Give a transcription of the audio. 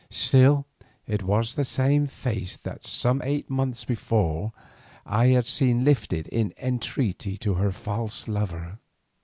Still it was the same face that some eight months before I had seen lifted in entreaty to her false lover.